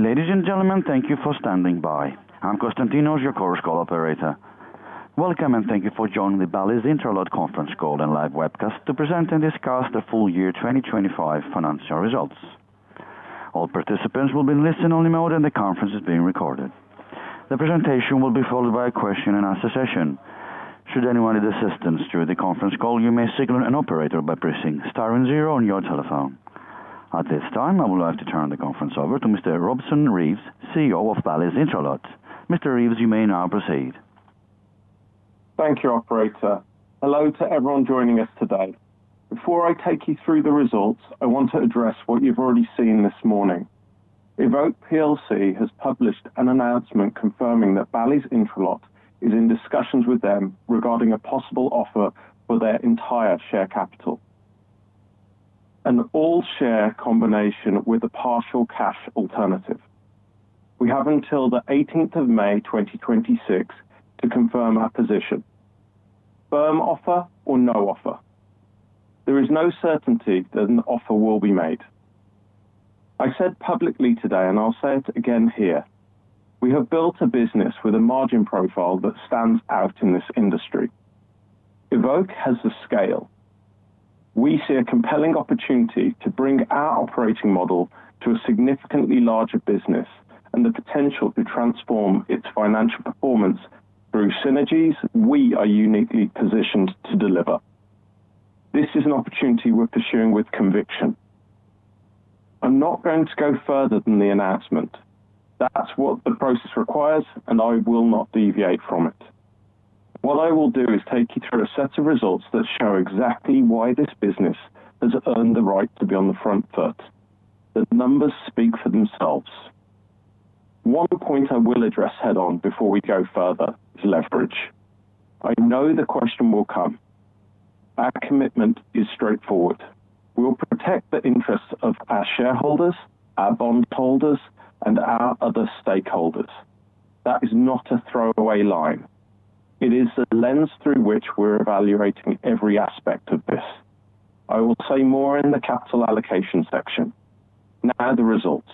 Ladies and gentlemen, thank you for standing by. I'm Konstantinos, your Chorus Call operator. Welcome, and thank you for joining the Bally's Intralot Conference Call and live webcast to present and discuss the full year 2025 financial results. All participants will be in listen-only mode, and the conference is being recorded. The presentation will be followed by a question and answer session. Should anyone need assistance during the conference call, you may signal an operator by pressing star and zero on your telephone. At this time, I would like to turn the conference over to Mr. Robeson Reeves, CEO of Bally's Intralot. Mr. Reeves, you may now proceed. Thank you, operator. Hello to everyone joining us today. Before I take you through the results, I want to address what you've already seen this morning. Evoke plc has published an announcement confirming that Bally's Intralot is in discussions with them regarding a possible offer for their entire share capital, an all-share combination with a partial cash alternative. We have until the 18th of May 2026 to confirm our position, firm offer or no offer. There is no certainty that an offer will be made. As I said publicly today, and I'll say it again here, we have built a business with a margin profile that stands out in this industry. Evoke has the scale. We see a compelling opportunity to bring our operating model to a significantly larger business and the potential to transform its financial performance through synergies we are uniquely positioned to deliver. This is an opportunity we're pursuing with conviction. I'm not going to go further than the announcement. That's what the process requires, and I will not deviate from it. What I will do is take you through a set of results that show exactly why this business has earned the right to be on the front foot. The numbers speak for themselves. One point I will address head-on before we go further is leverage. I know the question will come. Our commitment is straightforward. We'll protect the interests of our shareholders, our bondholders, and our other stakeholders. That is not a throwaway line. It is the lens through which we're evaluating every aspect of this. I will say more in the capital allocation section. Now the results.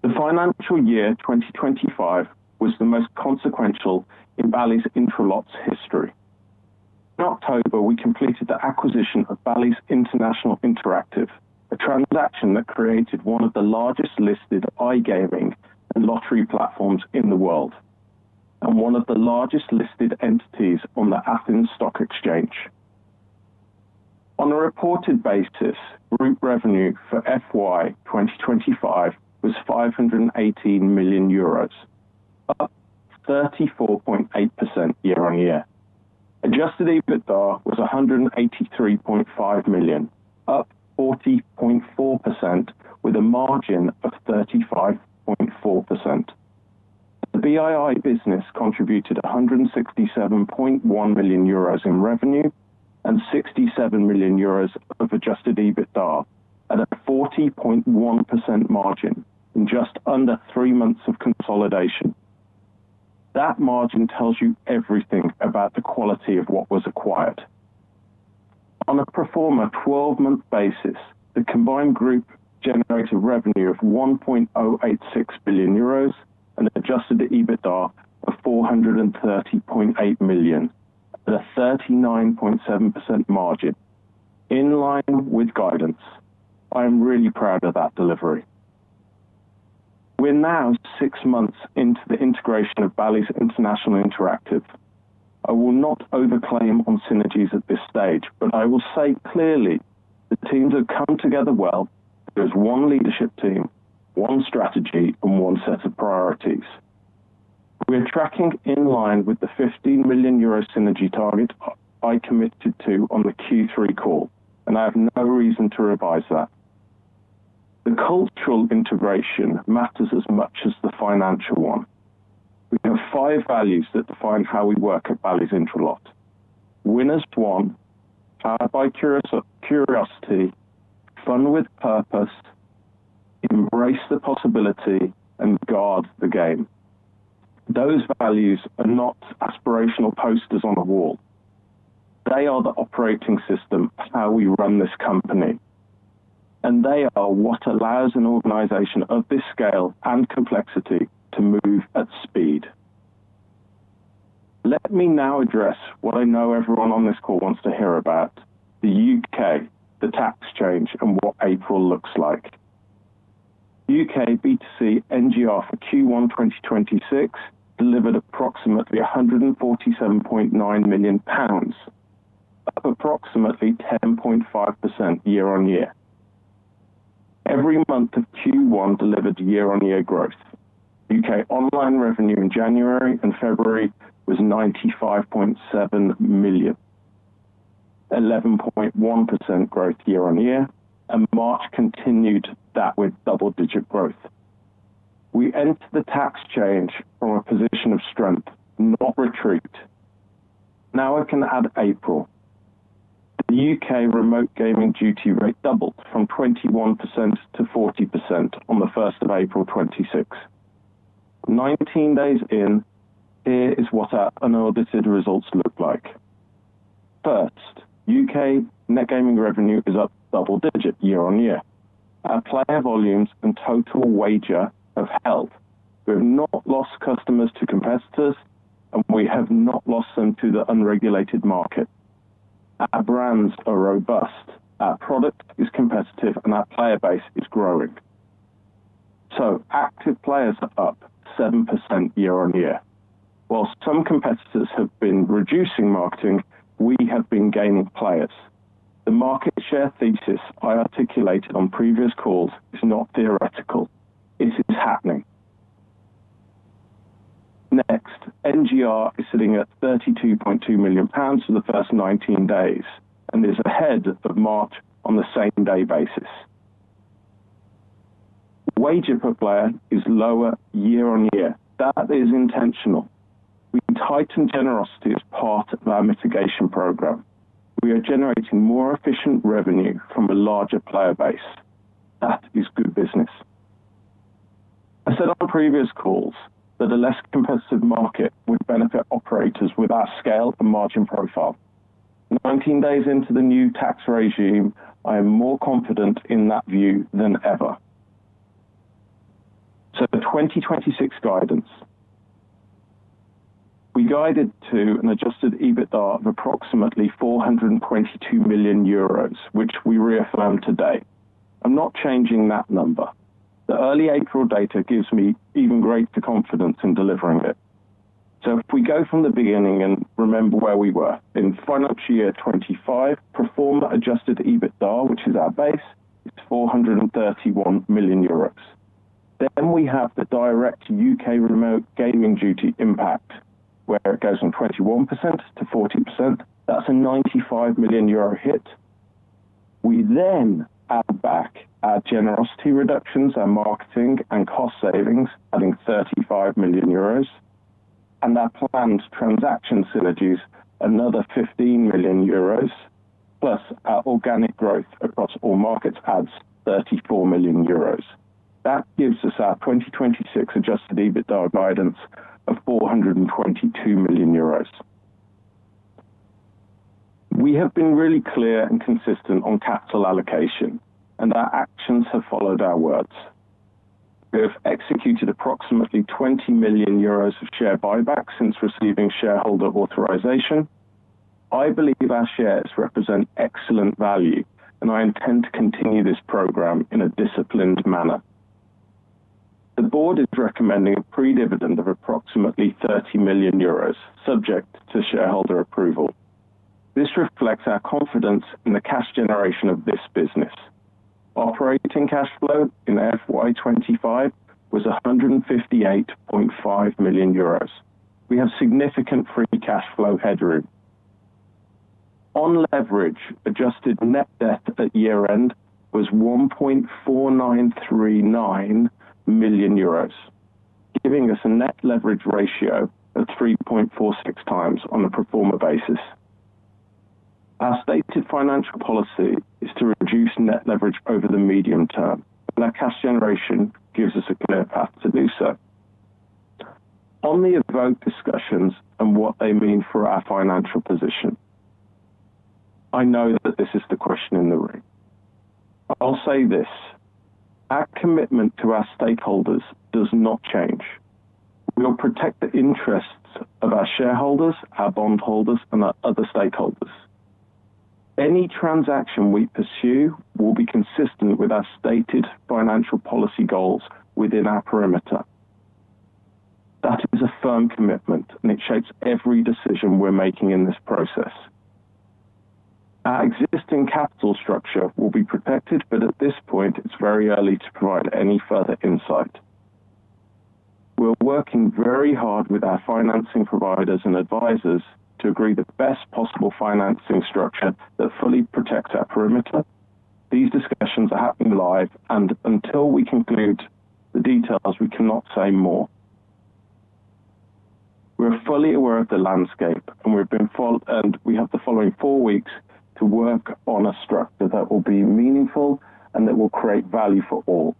The financial year 2025 was the most consequential in Bally's Intralot's history. In October, we completed the acquisition of Bally's International Interactive, a transaction that created one of the largest listed iGaming and lottery platforms in the world, and one of the largest listed entities on the Athens Stock Exchange. On a reported basis, group revenue for FY 2025 was EUR 518 million, up 34.8% year-over-year. Adjusted EBITDA was 183.5 million, up 40.4%, with a margin of 35.4%. The BII business contributed 167.1 million euros in revenue and 67 million euros of adjusted EBITDA at a 40.1% margin in just under three months of consolidation. That margin tells you everything about the quality of what was acquired. On a pro forma 12-month basis, the combined group generated revenue of 1.086 billion euros and adjusted EBITDA of 430.8 million at a 39.7% margin, in line with guidance. I am really proud of that delivery. We're now six months into the integration of Bally's International Interactive. I will not overclaim on synergies at this stage, but I will say clearly the teams have come together well. There's one leadership team, one strategy, and one set of priorities. We are tracking in line with the 15 million euro synergy target I committed to on the Q3 call, and I have no reason to revise that. The cultural integration matters as much as the financial one. We have five values that define how we work at Bally's Intralot. Win as one, powered by curiosity, fun with purpose, embrace the possibility, and guard the game. Those values are not aspirational posters on the wall. They are the operating system of how we run this company, and they are what allows an organization of this scale and complexity to move at speed. Let me now address what I know everyone on this call wants to hear about, the U.K., the tax change, and what April looks like. U.K. B2C NGR for Q1 2026 delivered approximately GBP 147.9 million, up approximately 10.5% year-on-year. Every month of Q1 delivered year-on-year growth. U.K. online revenue in January and February was 95.7 million, 11.1% growth year-on-year, and March continued that with double-digit growth. We enter the tax change from a position of strength, not retreat. Now I can add April. The U.K. Remote Gaming Duty rate doubled from 21% to 40% on the 1st of April 2026. 19 days in, here is what our unaudited results look like. First, U.K. net gaming revenue is up double-digit year-on-year. Our player volumes and total wager have held. We have not lost customers to competitors, and we have not lost them to the unregulated market. Our brands are robust, our product is competitive, and our player base is growing. Active players are up 7% year-on-year. While some competitors have been reducing marketing, we have been gaining players. The market share thesis I articulated on previous calls is not theoretical. It is happening. Next, NGR is sitting at 32.2 million pounds for the first 19 days, and is ahead of March on the same day basis. Wager per player is lower year-on-year. That is intentional. We tightened generosity as part of our mitigation program. We are generating more efficient revenue from a larger player base. That is good business.I said on previous calls that a less competitive market would benefit operators with our scale and margin profile. 19 days into the new tax regime, I am more confident in that view than ever. The 2026 guidance. We guided to an Adjusted EBITDA of approximately 422 million euros, which we reaffirm today. I'm not changing that number. The early April data gives me even greater confidence in delivering it. If we go from the beginning and remember where we were. In financial year 2025, pro forma Adjusted EBITDA, which is our base, is 431 million euros. Then we have the direct U.K. Remote Gaming Duty impact, where it goes from 21% to 14%. That's a 95 million euro hit. We then add back our generosity reductions, our marketing, and cost savings, adding 35 million euros, and our planned transaction synergies, another 15 million euros, plus our organic growth across all markets adds 34 million euros. That gives us our 2026 Adjusted EBITDA guidance of 422 million euros. We have been really clear and consistent on capital allocation, and our actions have followed our words. We have executed approximately 20 million euros of share buybacks since receiving shareholder authorization. I believe our shares represent excellent value, and I intend to continue this program in a disciplined manner. The board is recommending a pre-dividend of approximately 30 million euros, subject to shareholder approval. This reflects our confidence in the cash generation of this business. Operating cash flow in FY 2025 was 158.5 million euros. We have significant free cash flow headroom. On leverage, adjusted net debt at year-end was 1.4939 million euros, giving us a net leverage ratio of 3.46x on a pro forma basis. Our stated financial policy is to reduce net leverage over the medium term, and our cash generation gives us a clear path to do so. On the Evoke discussions and what they mean for our financial position, I know that this is the question in the room. I'll say this. Our commitment to our stakeholders does not change. We will protect the interests of our shareholders, our bondholders, and our other stakeholders. Any transaction we pursue will be consistent with our stated financial policy goals within our perimeter. That is a firm commitment and it shapes every decision we're making in this process. Our existing capital structure will be protected, but at this point it's very early to provide any further insight. We're working very hard with our financing providers and advisors to agree the best possible financing structure that fully protects our perimeter. These discussions are happening live, and until we conclude the details, we cannot say more. We're fully aware of the landscape, and we have the following four weeks to work on a structure that will be meaningful and that will create value for all.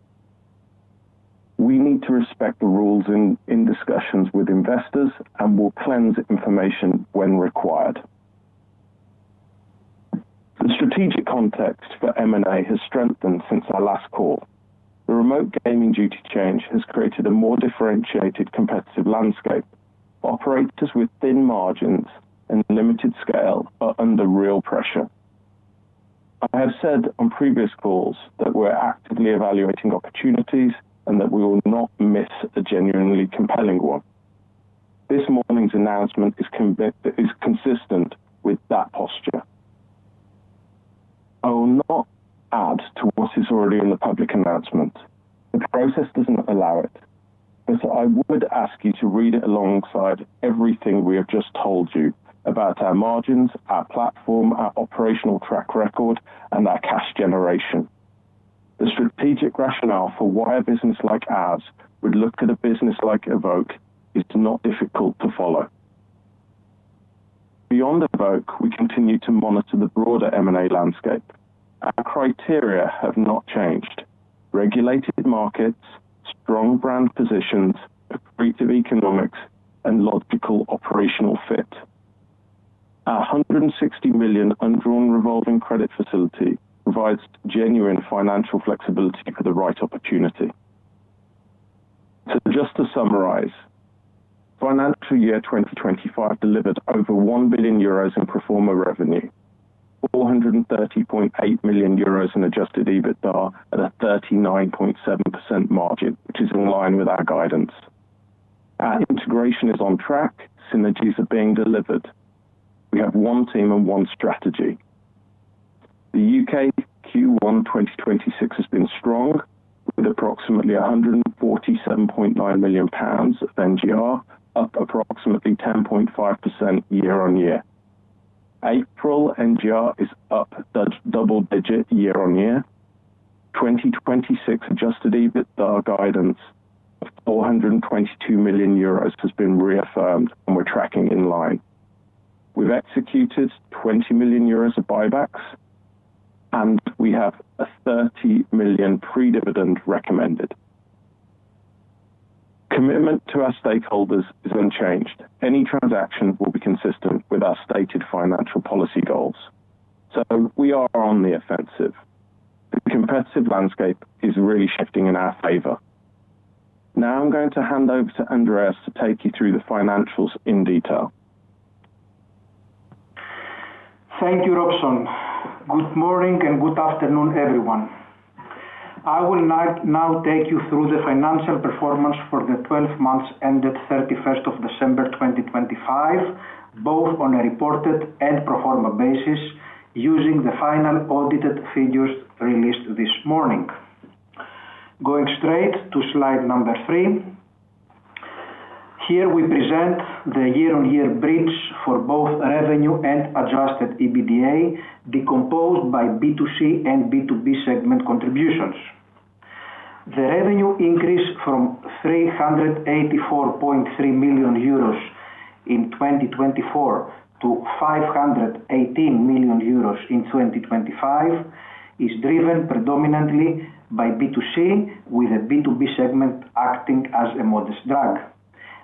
We need to respect the rules in discussions with investors and will cleanse information when required. The strategic context for M&A has strengthened since our last call. The Remote Gaming Duty change has created a more differentiated competitive landscape. Operators with thin margins and limited scale are under real pressure. I have said on previous calls that we're actively evaluating opportunities, and that we will not miss a genuinely compelling one. This morning's announcement is consistent with that posture. I will not add to what is already in the public announcement. The process doesn't allow it, and so I would ask you to read it alongside everything we have just told you about our margins, our platform, our operational track record, and our cash generation. The strategic rationale for why a business like ours would look at a business like Evoke is not difficult to follow. Beyond Evoke, we continue to monitor the broader M&A landscape. Our criteria have not changed. Regulated markets, strong brand positions, creative economics and logical operational fit. Our 160 million undrawn revolving credit facility provides genuine financial flexibility for the right opportunity. Just to summarize, financial year 2025 delivered over 1 billion euros in pro forma revenue, 430.8 million euros in Adjusted EBITDA at a 39.7% margin, which is in line with our guidance. Our integration is on track, synergies are being delivered. We have one team and one strategy. The U.K. Q1 2026 has been strong with approximately 147.9 million pounds of NGR, up approximately 10.5% year-on-year. April NGR is up double digit year-on-year. 2026 Adjusted EBITDA guidance of 422 million euros has been reaffirmed and we're tracking in line. We've executed 20 million euros of buybacks, and we have a 30 million pre-dividend recommended. Commitment to our stakeholders is unchanged. Any transaction will be consistent with our stated financial policy goals. We are on the offensive. The competitive landscape is really shifting in our favor. Now I'm going to hand over to Andreas to take you through the financials in detail. Thank you, Robeson. Good morning and good afternoon, everyone. I will now take you through the financial performance for the 12 months ended 31st of December 2025, both on a reported and pro forma basis using the final audited figures released this morning. Going straight to slide number three, here we present the year-on-year bridge for both revenue and Adjusted EBITDA, decomposed by B2C and B2B segment contributions. The revenue increase from 384.3 million euros in 2024 to 518 million euros in 2025 is driven predominantly by B2C, with the B2B segment acting as a modest drag.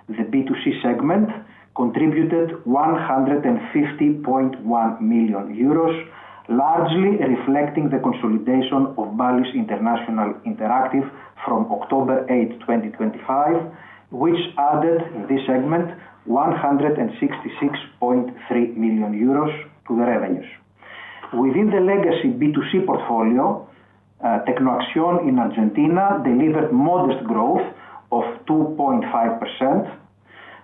The B2C segment contributed 150.1 million euros, largely reflecting the consolidation of Bally's International Interactive from October 8th, 2025, which added this segment 166.3 million euros to the revenues. Within the legacy B2C portfolio, Tecno Acción in Argentina delivered modest growth of 2.5%,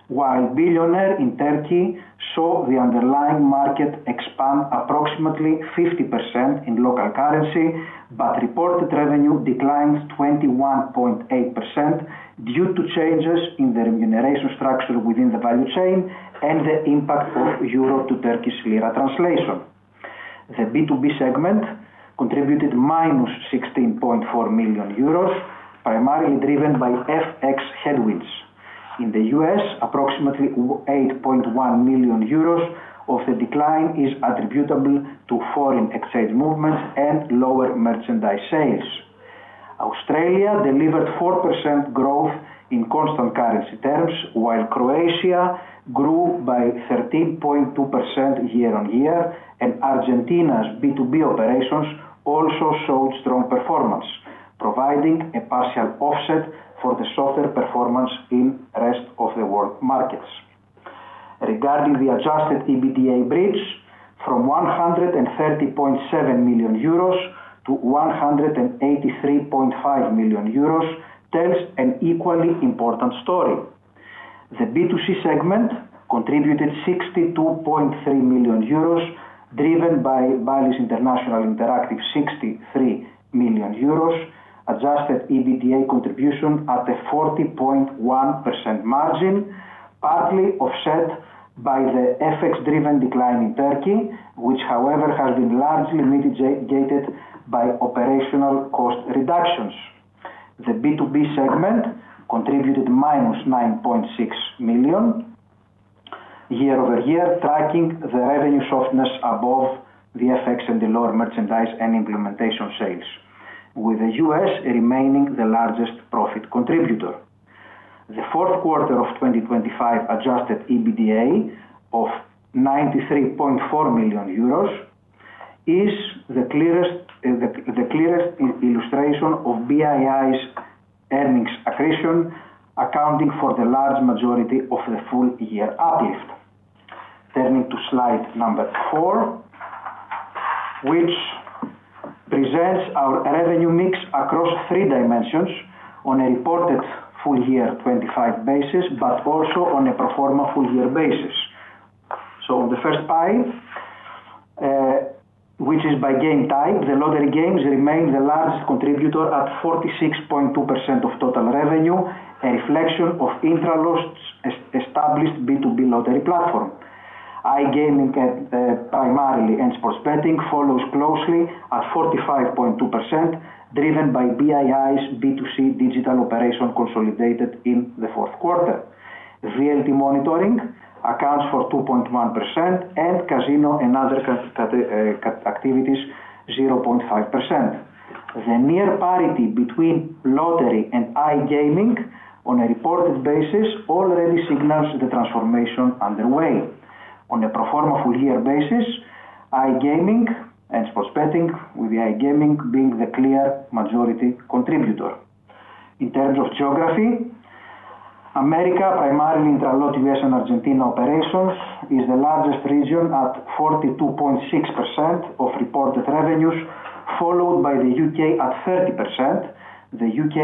while Bilyoner in Turkey saw the underlying market expand approximately 50% in local currency, but reported revenue declined 21.8% due to changes in the remuneration structure within the value chain and the impact of euro to Turkish lira translation. The B2B segment contributed -16.4 million euros, primarily driven by FX headwinds. In the U.S., approximately 8.1 million euros of the decline is attributable to foreign exchange movements and lower merchandise sales. Australia delivered 4% growth in constant currency terms, while Croatia grew by 13.2% year-on-year, and Argentina's B2B operations also showed strong performance, providing a partial offset for the softer performance in rest of the world markets. Regarding the Adjusted EBITDA bridge, from EUR 130.7 million to EUR 183.5 million tells an equally important story. The B2C segment contributed EUR 62.3 million, driven by Bally's International Interactive, EUR 63 million Adjusted EBITDA contribution at a 40.1% margin, partly offset by the FX-driven decline in Turkey, which however has been largely mitigated by operational cost reductions. The B2B segment contributed -9.6 million year-over-year, tracking the revenue softness above the FX and the lower merchandise and implementation sales, with the U.S. remaining the largest profit contributor. The fourth quarter of 2025 Adjusted EBITDA of 93.4 million euros is the clearest illustration of BII's earnings accretion, accounting for the large majority of the full year uplift. Turning to slide number four, which presents our revenue mix across three dimensions on a reported full year 2025 basis, but also on a pro forma full year basis. The first pie, which is by game type, the lottery games remain the largest contributor at 46.2% of total revenue, a reflection of Intralot's established B2B lottery platform. iGaming primarily and sports betting follows closely at 45.2%, driven by BII's B2C digital operation consolidated in the fourth quarter. VLT monitoring accounts for 2.1%, and casino and other activities 0.5%. The near parity between lottery and iGaming on a reported basis already signals the transformation underway. On a pro forma full year basis, iGaming and sports betting, with iGaming being the clear majority contributor. In terms of geography, America, primarily Intralot US and Argentina operations, is the largest region at 42.6% of reported revenues, followed by the U.K. at 30%. The U.K.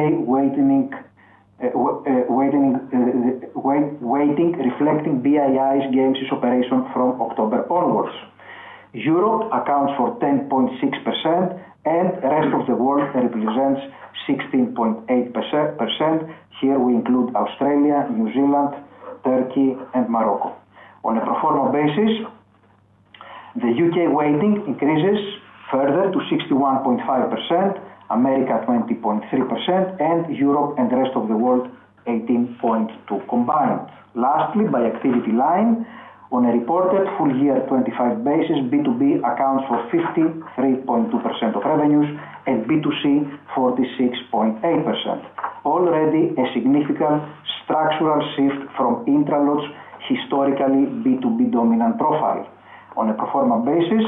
weighting reflecting BII's Gamesys operation from October onwards. Europe accounts for 10.6%, and the rest of the world represents 16.8%. Here we include Australia, New Zealand, Turkey, and Morocco. On a pro forma basis, the U.K. weighting increases further to 61.5%, America 20.3%, and Europe and rest of the world 18.2% combined. Lastly, by activity line, on a reported full year 2025 basis, B2B accounts for 53.2% of revenues and B2C 46.8%. Already a significant structural shift from Intralot's historically B2B dominant profile. On a pro forma basis,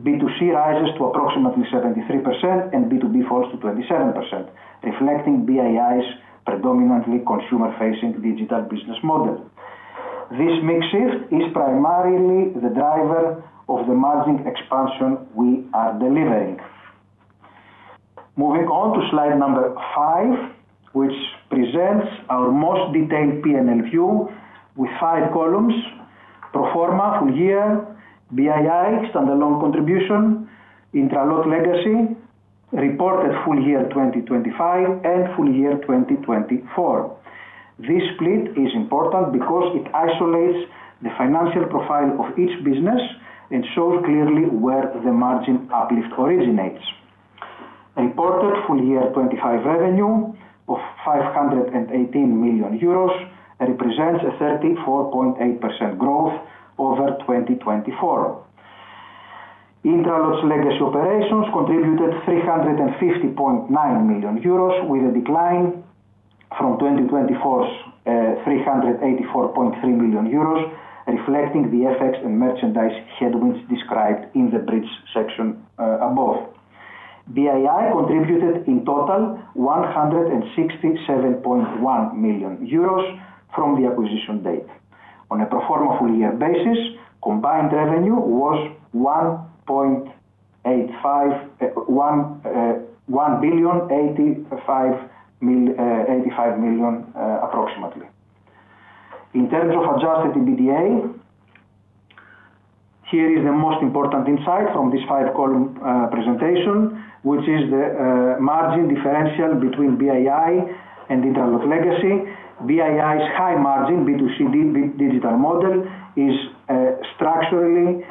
B2C rises to approximately 73%, and B2B falls to 27%, reflecting BII's predominantly consumer-facing digital business model. This mix shift is primarily the driver of the margin expansion we are delivering. Moving on to slide number five, which presents our most detailed P&L view with five columns, pro forma full year, BII standalone contribution, Intralot legacy, reported full year 2025, and full year 2024. This split is important because it isolates the financial profile of each business and shows clearly where the margin uplift originates. Reported full year 2025 revenue of 518 million euros represents a 34.8% growth over 2024. Intralot's legacy operations contributed 350.9 million euros, with a decline from 2024's 384.3 million euros, reflecting the FX and merchandise headwinds described in the bridge section above. BII contributed, in total, 167.1 million euros from the acquisition date. On a pro forma full year basis, combined revenue was approximately EUR 1.085 billion. In terms of Adjusted EBITDA, here is the most important insight from this five-column presentation, which is the margin differential between BII and Intralot legacy. BII's high margin B2C digital model is structurally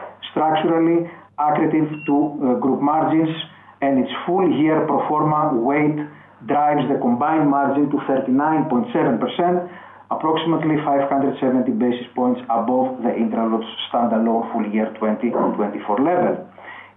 accretive to group margins, and its full-year pro forma weight drives the combined margin to 39.7%, approximately 570 basis points above the Intralot standalone full year 2024 level.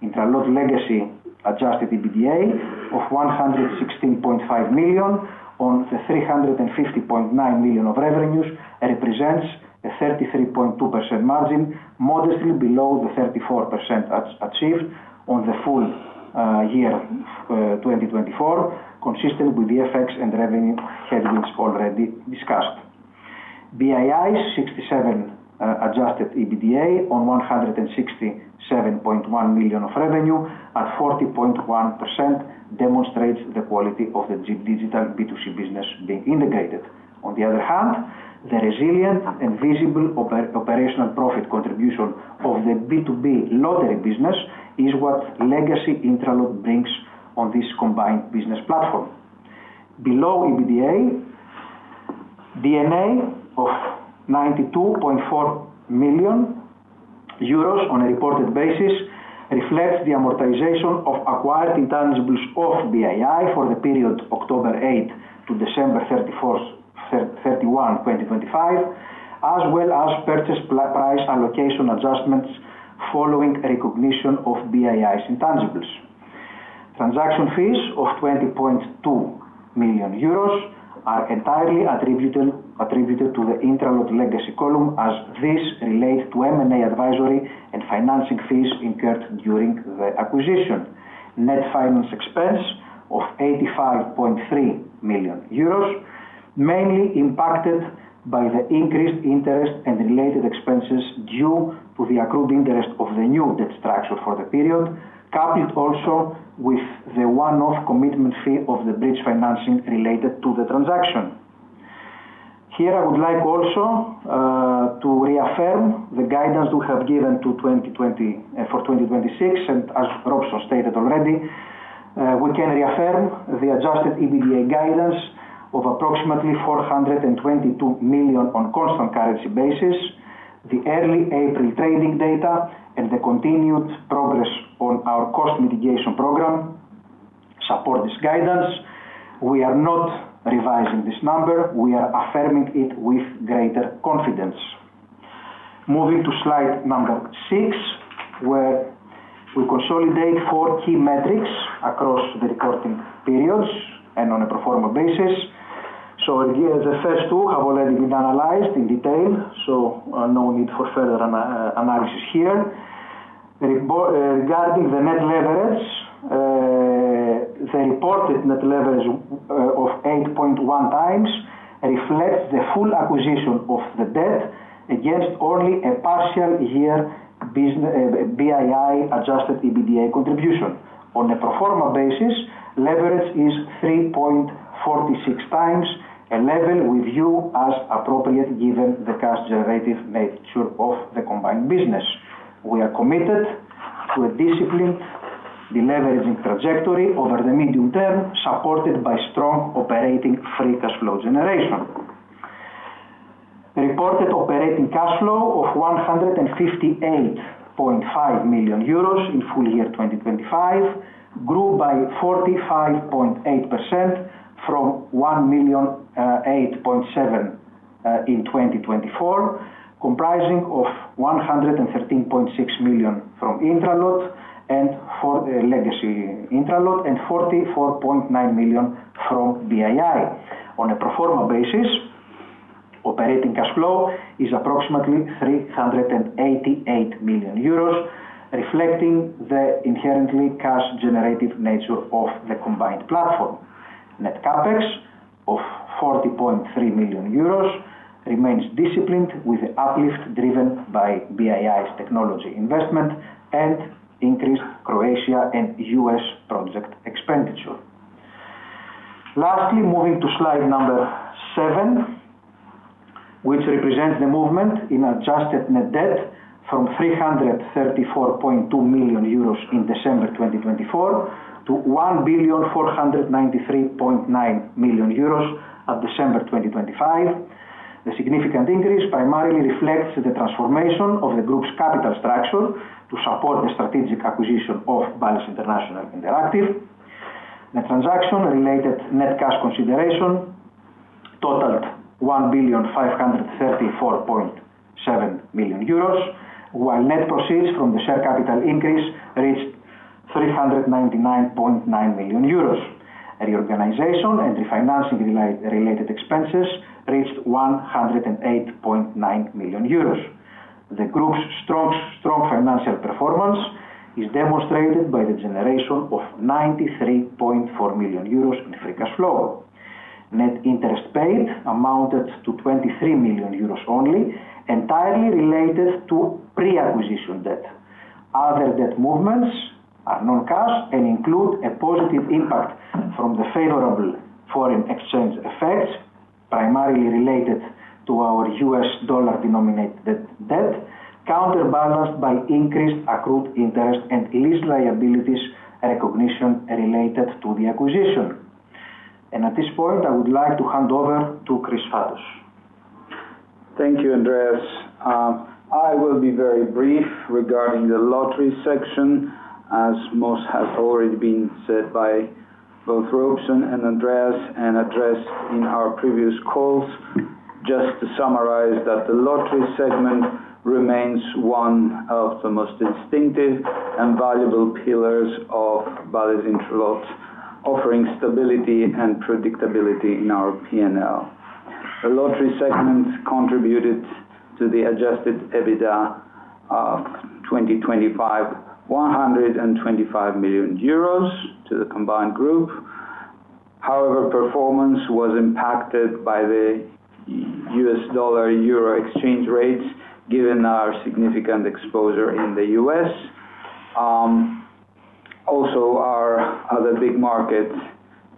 Intralot legacy Adjusted EBITDA of 116.5 million on the 350.9 million of revenues represents a 33.2% margin, modestly below the 34% achieved on the full year 2024, consistent with the effects and revenue headwinds already discussed. BII's 67 million Adjusted EBITDA on 167.1 million of revenue at 40.1% demonstrates the quality of the digital B2C business being integrated. On the other hand, the resilient and visible operational profit contribution of the B2B lottery business is what legacy Intralot brings on this combined business platform. Below EBITDA, D&A of 92.4 million euros on a reported basis reflects the amortization of acquired intangibles of BII for the period October 8th to December 31st, 2025, as well as purchase price allocation adjustments following recognition of BII's intangibles. Transaction fees of 20.2 million euros are entirely attributed to the Intralot legacy column as this relates to M&A advisory and financing fees incurred during the acquisition. Net finance expense of 85.3 million euros, mainly impacted by the increased interest and related expenses due to the accrued interest of the new debt structure for the period, coupled also with the one-off commitment fee of the bridge financing related to the transaction. Here, I would like also to reaffirm the guidance we have given for 2026. As Robeson stated already, we can reaffirm the adjusted EBITDA guidance of approximately 422 million on constant currency basis. The early April trading data and the continued progress on our cost mitigation program support this guidance. We are not revising this number. We are affirming it with greater confidence. Moving to slide number six, where we consolidate four key metrics across the reporting periods and on a pro forma basis. Here, the first two have already been analyzed in detail, so no need for further analysis here. Regarding the net leverage, the reported net leverage of 8.1x reflects the full acquisition of the debt against only a partial year BII-adjusted EBITDA contribution. On a pro forma basis, leverage is 3.46x, a level we view as appropriate given the cash generative nature of the combined business. We are committed to a disciplined deleveraging trajectory over the medium term, supported by strong operating free cash flow generation. Reported operating cash flow of EUR 158.5 million in full year 2025 grew by 45.8% from 108.7 million in 2024, comprising of 113.6 million from legacy Intralot, and 44.9 million from BII. On a pro forma basis, operating cash flow is approximately 388 million euros, reflecting the inherently cash generative nature of the combined platform. Net CapEx of 40.3 million euros remains disciplined with the uplift driven by BII's technology investment and increased Croatia and U.S. project expenditure. Lastly, moving to slide number seven, which represents the movement in adjusted net debt from 334.2 million euros in December 2024 to 1,493.9 million euros at December 2025. The significant increase primarily reflects the transformation of the group's capital structure to support the strategic acquisition of Bally's International Interactive. The transaction related net cash consideration totaled 1,534.7 million euros, while net proceeds from the share capital increase reached 399.9 million euros. Reorganization and refinancing related expenses reached 108.9 million euros. The group's strong financial performance is demonstrated by the generation of 93.4 million euros in free cash flow. Net interest paid amounted to 23 million euros only, entirely related to pre-acquisition debt. Other debt movements are non-cash and include a positive impact from the favorable foreign exchange effects, primarily related to our U.S. dollar-denominated debt, counterbalanced by increased accrued interest and lease liabilities recognition related to the acquisition. At this point, I would like to hand over to Chrysostomos Sfatos. Thank you, Andreas. I will be very brief regarding the lottery section, as most has already been said by both Robeson and Andreas, and addressed in our previous calls. Just to summarize that the lottery segment remains one of the most distinctive and valuable pillars of Bally's Intralot, offering stability and predictability in our P&L. The lottery segment contributed to the Adjusted EBITDA of 2025, 125 million euros to the combined group. However, performance was impacted by the U.S. dollar-euro exchange rates, given our significant exposure in the U.S. Also our other big market,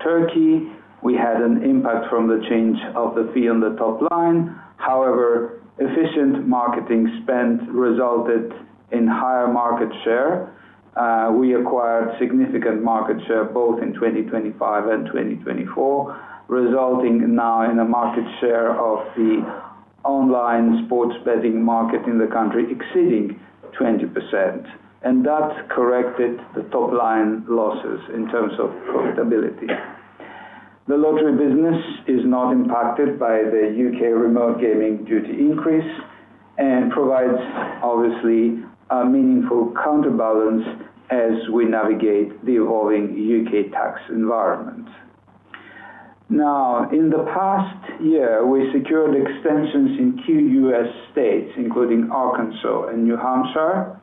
Turkey, we had an impact from the change of the fee on the top line. However, efficient marketing spend resulted in higher market share. We acquired significant market share both in 2025 and 2024, resulting now in a market share of the online sports betting market in the country exceeding 20%. That corrected the top-line losses in terms of profitability. The lottery business is not impacted by the U.K. Remote Gaming Duty increase and provides obviously a meaningful counterbalance as we navigate the evolving U.K. tax environment. Now, in the past year, we secured extensions in key U.S. states, including Arkansas and New Hampshire,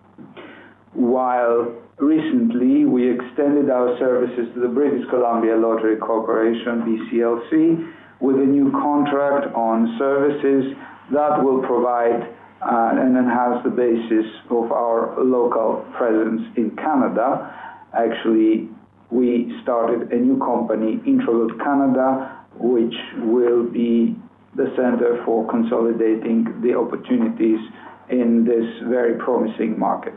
while recently we extended our services to the British Columbia Lottery Corporation, BCLC, with a new contract on services that will provide and enhance the basis of our local presence in Canada. Actually, we started a new company, Intralot Canada, which will be the center for consolidating the opportunities in this very promising market.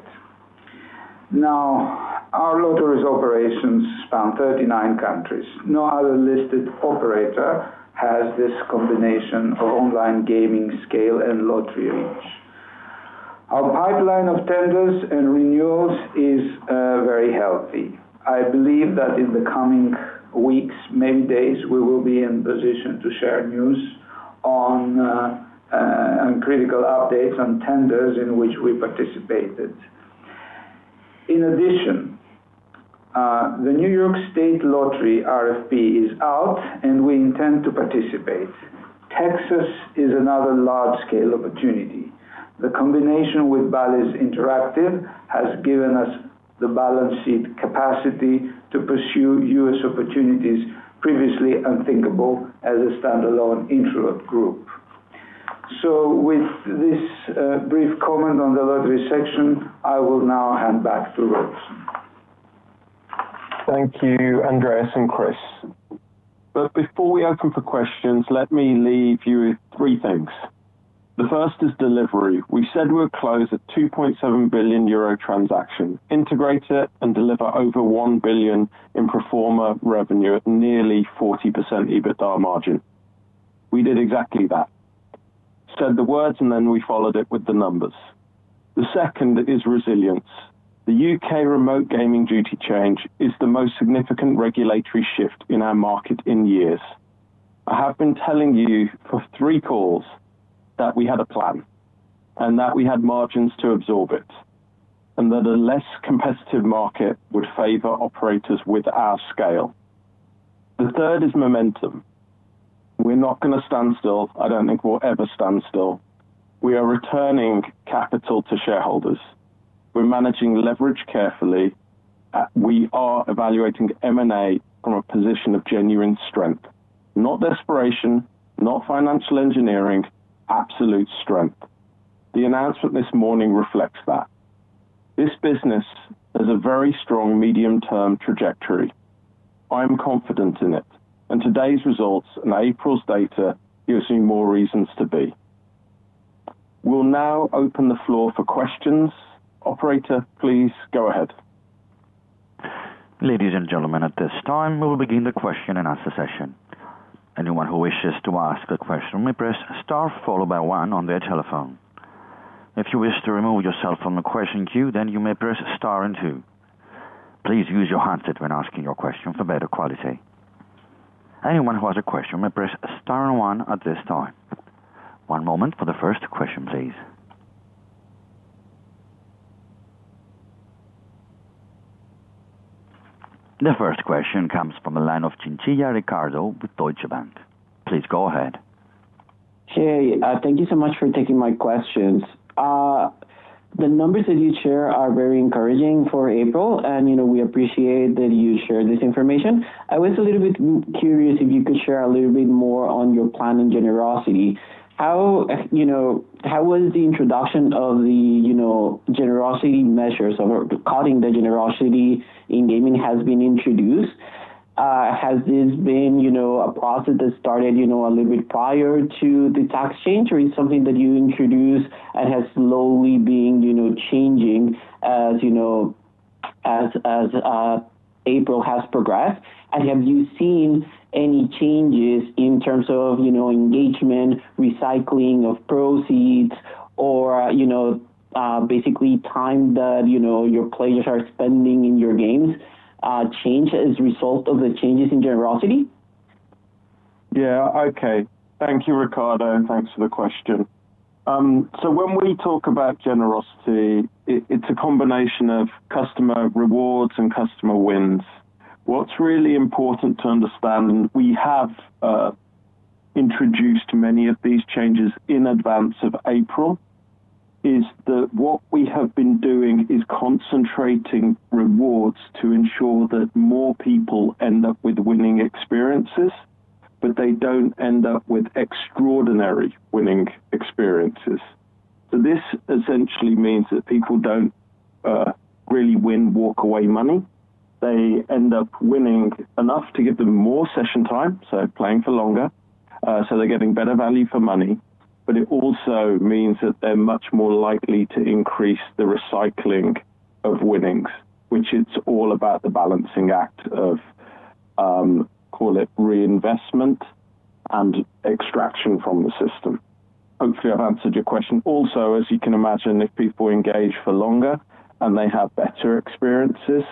Now, our lottery's operations span 39 countries. No other listed operator has this combination of online gaming scale and lottery reach. Our pipeline of tenders and renewals is very healthy. I believe that in the coming weeks, maybe days, we will be in position to share news on critical updates on tenders in which we participated. In addition, the New York Lottery RFP is out, and we intend to participate. Texas is another large-scale opportunity. The combination with Bally's Interactive has given us the balance sheet capacity to pursue U.S. opportunities previously unthinkable as a standalone Intralot group. With this brief comment on the lottery section, I will now hand back to Robeson. Thank you, Andreas and Chris. Before we open for questions, let me leave you with three things. The first is delivery. We said we'll close a 2.7 billion euro transaction, integrate it, and deliver over 1 billion in pro forma revenue at nearly 40% EBITDA margin. We did exactly that. Said the words, and then we followed it with the numbers. The second is resilience. The U.K. Remote Gaming Duty change is the most significant regulatory shift in our market in years. I have been telling you for three calls that we had a plan, and that we had margins to absorb it, and that a less competitive market would favor operators with our scale. The third is momentum. We're not going to stand still. I don't think we'll ever stand still. We are returning capital to shareholders. We're managing leverage carefully. We are evaluating M&A from a position of genuine strength, not desperation, not financial engineering, absolute strength. The announcement this morning reflects that. This business has a very strong medium-term trajectory. I am confident in it, and today's results and April's data gives me more reasons to be. We'll now open the floor for questions. Operator, please go ahead. Ladies and gentlemen, at this time, we will begin the question and answer session. Anyone who wishes to ask a question may press star followed by one on their telephone. If you wish to remove yourself from the question queue, then you may press star and two. Please use your handset when asking your question for better quality. Anyone who has a question may press star and one at this time. One moment for the first question, please. The first question comes from the line of Ricardo Chinchilla with Deutsche Bank. Please go ahead. Hey, thank you so much for taking my questions. The numbers that you share are very encouraging for April, and we appreciate that you share this information. I was a little bit curious if you could share a little bit more on your plan in generosity. How was the introduction of the generosity measures or cutting the generosity in gaming has been introduced? Has this been a process that started a little bit prior to the tax change, or is something that you introduced and has slowly been changing as April has progressed? Have you seen any changes in terms of engagement, recycling of proceeds, or basically time that your players are spending in your games change as a result of the changes in generosity? Yeah. Okay. Thank you, Ricardo, and thanks for the question. When we talk about generosity, it's a combination of customer rewards and customer wins. What's really important to understand, we have introduced many of these changes in advance of April, is that what we have been doing is concentrating rewards to ensure that more people end up with winning experiences, but they don't end up with extraordinary winning experiences. This essentially means that people don't really win walk-away money. They end up winning enough to give them more session time, so playing for longer. They're getting better value for money. But it also means that they're much more likely to increase the recycling of winnings, which it's all about the balancing act of call it reinvestment and extraction from the system. Hopefully, I've answered your question. As you can imagine, if people engage for longer and they have better experiences,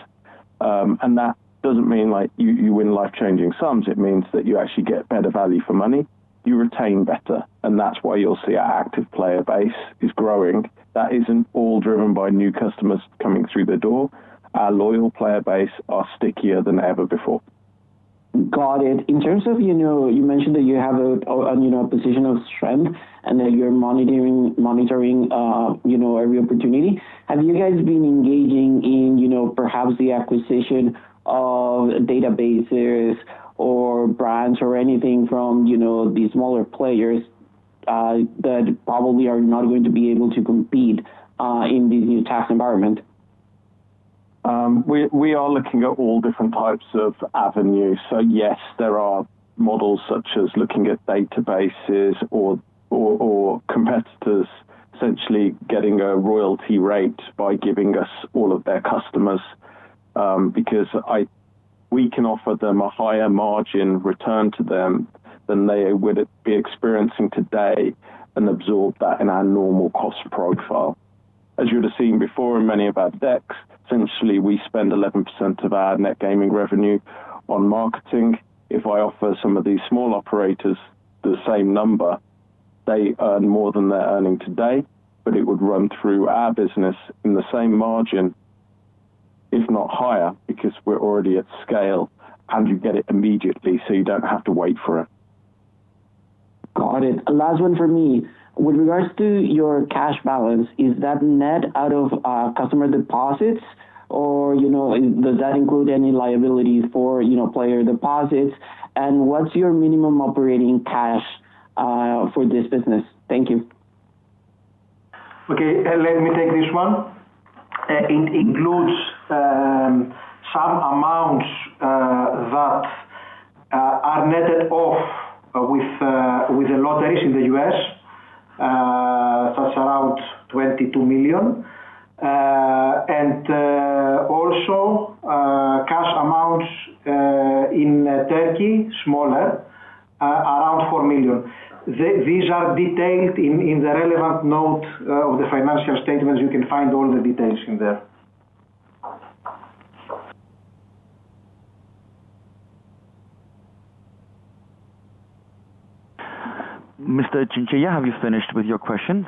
and that doesn't mean you win life-changing sums, it means that you actually get better value for money, you retain better. That's why you'll see our active player base is growing. That isn't all driven by new customers coming through the door. Our loyal player base are stickier than ever before. Got it. In terms of, you mentioned that you have a position of strength and that you're monitoring every opportunity. Have you guys been engaging in perhaps the acquisition of databases or brands or anything from these smaller players that probably are not going to be able to compete in this new tax environment? We are looking at all different types of avenues. Yes, there are models such as looking at databases or competitors essentially getting a royalty rate by giving us all of their customers. Because we can offer them a higher margin return to them than they would be experiencing today, and absorb that in our normal cost profile. As you would have seen before in many of our decks, essentially, we spend 11% of our net gaming revenue on marketing. If I offer some of these small operators the same number, they earn more than they're earning today, but it would run through our business in the same margin, if not higher, because we're already at scale, and you get it immediately, so you don't have to wait for it. Got it. Last one from me. With regards to your cash balance, is that net out of customer deposits or does that include any liabilities for player deposits? And what's your minimum operating cash for this business? Thank you. Okay, let me take this one. It includes some amounts that are netted off with the lotteries in the U.S. That's around $22 million. And also cash amounts in Turkey, smaller, around $4 million. These are detailed in the relevant note of the financial statements. You can find all the details in there. Mr. Chinchilla, have you finished with your questions?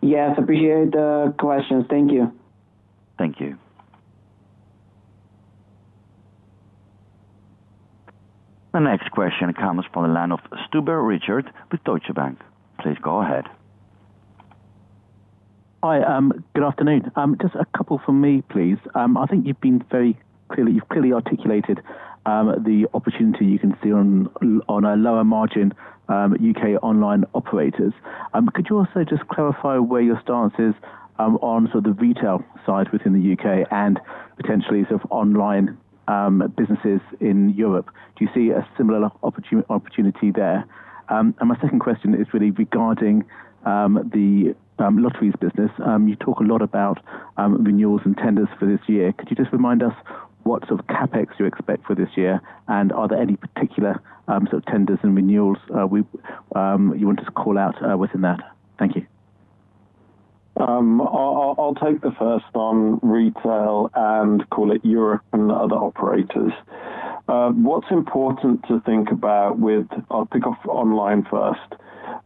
Yes, I appreciate the questions. Thank you. Thank you. The next question comes from the line of Richard Stuber with Deutsche Bank. Please go ahead. Hi, good afternoon. Just a couple from me, please. I think you've clearly articulated the opportunity you can see on our lower margin U.K. online operators. Could you also just clarify where your stance is on the retail side within the U.K. and potentially sort of online businesses in Europe? Do you see a similar opportunity there? My second question is really regarding the lotteries business. You talk a lot about renewals and tenders for this year. Could you just remind us what sort of CapEx you expect for this year, and are there any particular sort of tenders and renewals you want to call out within that? Thank you. I'll take the first on retail and call it Europe and the other operators. What's important to think about. I'll pick off online first.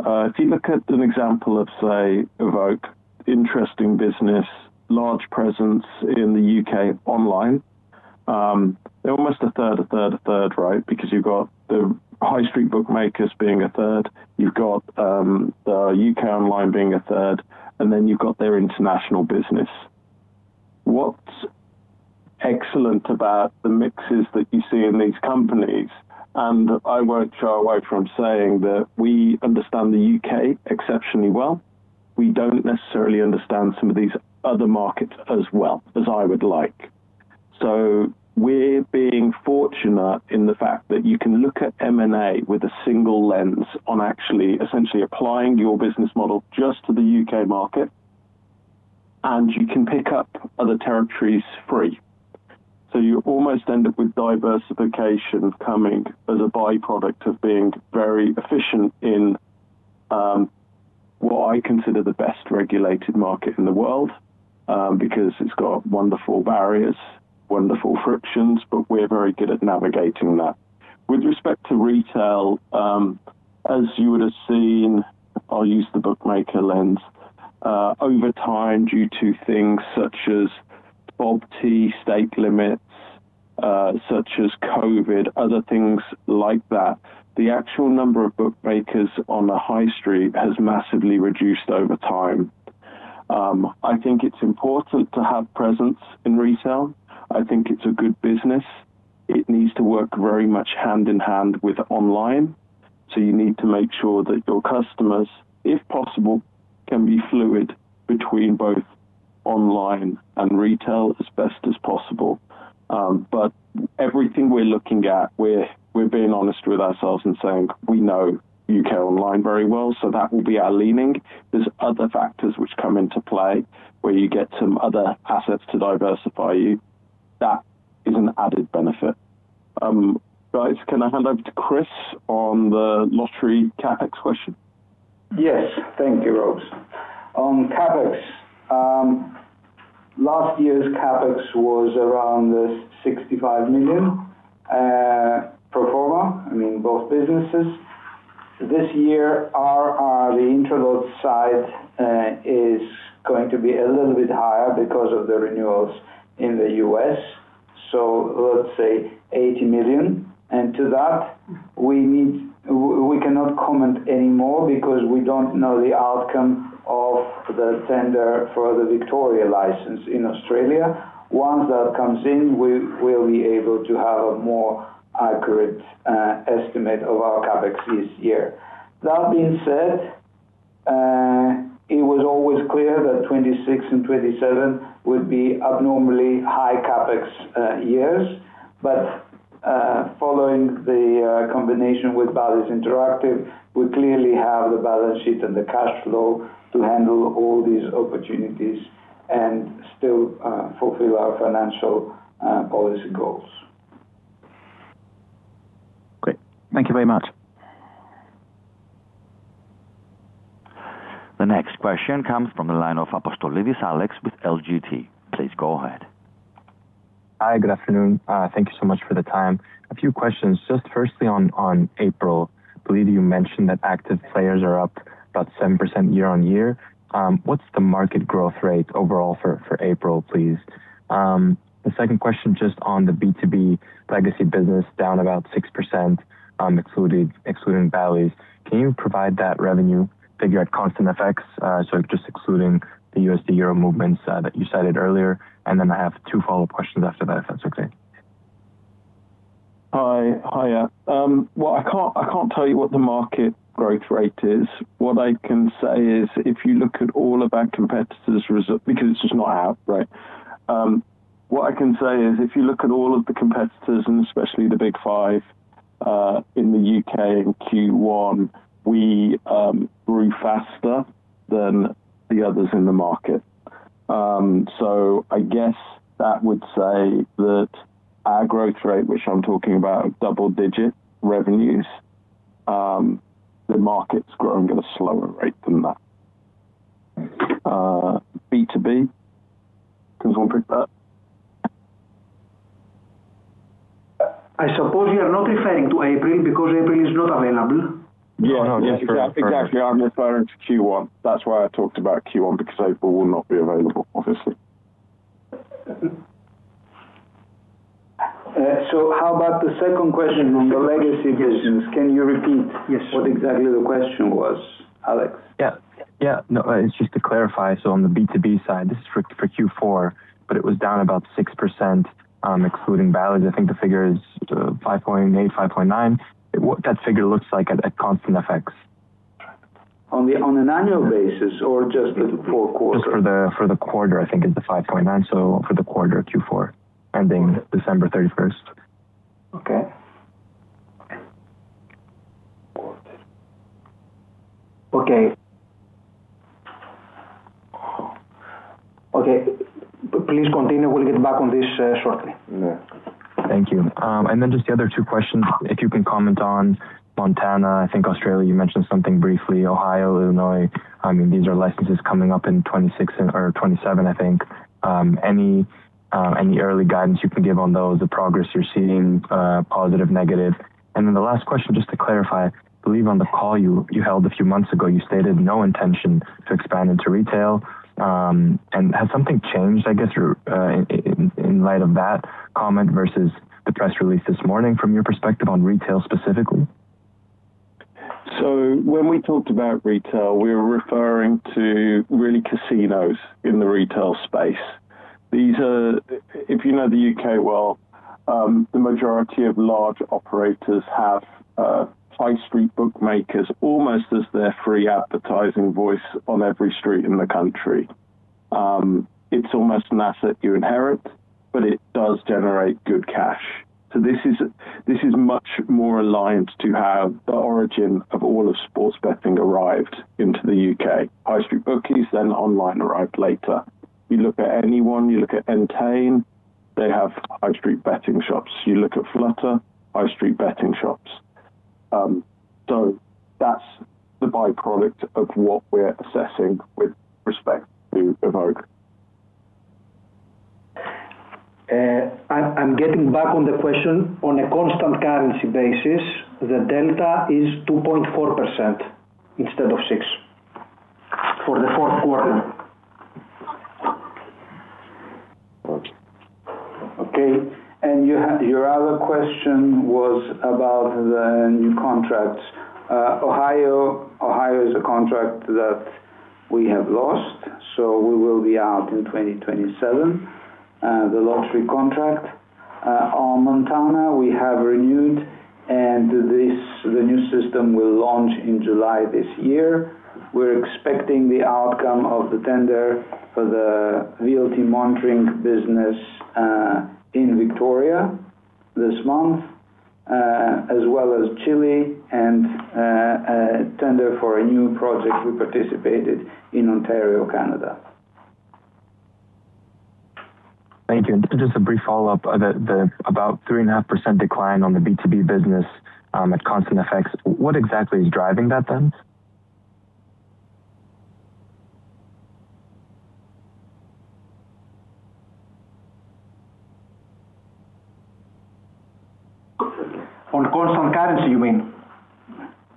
If you look at an example of, say, Evoke, interesting business, large presence in the U.K. online. They're almost a third, a third, a third, right? Because you've got the high street bookmakers being a third, you've got the U.K. online being a third, and then you've got their international business. What's excellent about the mixes that you see in these companies, and I won't shy away from saying that we understand the U.K. exceptionally well. We don't necessarily understand some of these other markets as well as I would like. We're being fortunate in the fact that you can look at M&A with a single lens on actually essentially applying your business model just to the U.K. market, and you can pick up other territories free. You almost end up with diversification coming as a by-product of being very efficient in what I consider the best-regulated market in the world, because it's got wonderful barriers, wonderful frictions, but we're very good at navigating that. With respect to retail, as you would have seen, I'll use the bookmaker lens. Over time due to things such as FOBT stake limits, such as COVID, other things like that, the actual number of bookmakers on the high street has massively reduced over time. I think it's important to have presence in retail. I think it's a good business. It needs to work very much hand in hand with online. You need to make sure that your customers, if possible, can be fluid between both online and retail as best as possible. Everything we're looking at, we're being honest with ourselves and saying, we know U.K. online very well, so that will be our leaning. There's other factors which come into play where you get some other assets to diversify you. That is an added benefit. Guys, can I hand over to Chris on the lottery CapEx question? Yes. Thank you, Rob. On CapEx, last year's CapEx was around 65 million pro forma, I mean, both businesses. This year, the Intralot side is going to be a little bit higher because of the renewals in the U.S., so let's say 80 million. To that, we cannot comment anymore because we don't know the outcome of the tender for the Victoria license in Australia. Once that comes in, we will be able to have a more accurate estimate of our CapEx this year. That being said, it was always clear that 2026 and 2027 would be abnormally high CapEx years. In combination with Bally's Interactive, we clearly have the balance sheet and the cash flow to handle all these opportunities and still fulfill our financial policy goals. Great. Thank you very much. The next question comes from the line of Alex Apostolides with LGT. Please go ahead. Hi, good afternoon. Thank you so much for the time. A few questions. Just firstly on April, I believe you mentioned that active players are up about 7% year-on-year. What's the market growth rate overall for April, please? The second question, just on the B2B legacy business down about 6% excluding Bally's, can you provide that revenue figure at constant FX, so just excluding the USD/euro movements that you cited earlier? I have two follow-up questions after that, if that's okay. Hi. Well, I can't tell you what the market growth rate is. What I can say is if you look at all of our competitors' results, because it's just not out, right? What I can say is if you look at all of the competitors, and especially the big five, in the U.K. in Q1, we grew faster than the others in the market. I guess that would say that our growth rate, which I'm talking about double-digit revenues, the market's growing at a slower rate than that. B2B, does someone pick that? I suppose you're not referring to April, because April is not available. Yeah. No, exactly. I'm referring to Q1. That's why I talked about Q1, because April will not be available, obviously. How about the second question on the legacy business? Can you repeat? Yes. What exactly was the question, Alex? Yeah. No, it's just to clarify, on the B2B side, this is for Q4, but it was down about 6% excluding Bally's. I think the figure is 5.8%-5.9%. What that figure looks like at constant FX? On an annual basis or just the fourth quarter? Just for the quarter, I think it's the 5.9%, so for the quarter Q4, ending December 31st. Okay. Please continue. We'll get back on this shortly. Yeah. Thank you. Just the other two questions, if you can comment on Montana, I think Australia, you mentioned something briefly, Ohio, Illinois. These are licenses coming up in 2026 or 2027, I think. Any early guidance you can give on those, the progress you're seeing, positive, negative? The last question, just to clarify, I believe on the call you held a few months ago, you stated no intention to expand into retail. Has something changed, I guess, in light of that comment versus the press release this morning from your perspective on retail specifically? When we talked about retail, we were referring to retail casinos in the retail space. If you know the U.K. well, the majority of large operators have high street bookmakers almost as their free advertising voice on every street in the country. It's almost an asset you inherit, but it does generate good cash. This is much more aligned to how the origin of all of sports betting arrived into the U.K. high street bookies then online arrived later. You look at anyone, you look at Entain, they have high street betting shops. You look at Flutter, high street betting shops. That's the by-product of what we're assessing with respect to Evoke. I'm getting back on the question. On a constant currency basis, the delta is 2.4% instead of 6% for the fourth quarter. Okay, your other question was about the new contracts. Ohio is a contract that we have lost, so we will be out in 2027. The lottery contract. On Montana, we have renewed, and the new system will launch in July this year. We're expecting the outcome of the tender for the VLT monitoring business in Victoria this month, as well as Chile, and a tender for a new project we participated in Ontario, Canada. Thank you. Just a brief follow-up about the 3.5% decline on the B2B business, at constant FX. What exactly is driving that then? On constant currency, you mean?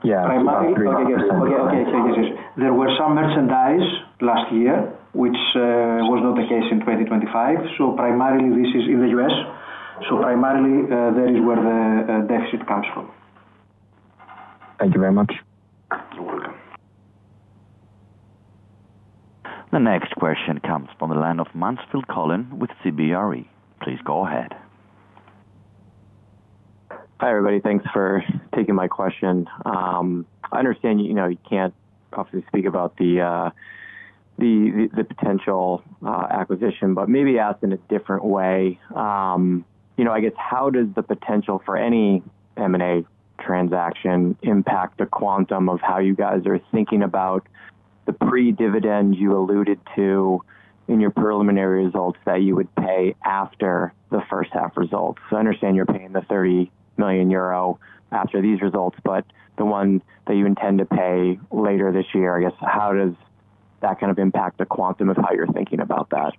Yeah. Okay. Yes. There were some merchandise last year, which was not the case in 2025, so primarily this is in the U.S. Primarily, that is where the deficit comes from. Thank you very much. You're welcome. The next question comes from the line of Colin Mansfield with CBRE. Please go ahead. Hi, everybody. Thanks for taking my question. I understand you can't obviously speak about the potential acquisition, but maybe asked in a different way. I guess, how does the potential for any M&A transaction impact the quantum of how you guys are thinking about the pre-dividend you alluded to in your preliminary results that you would pay after the first half results? I understand you're paying the 30 million euro after these results, but the one that you intend to pay later this year, I guess, how does that kind of impact the quantum of how you're thinking about that?